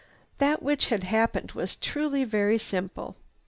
That which had happened was truly very simple.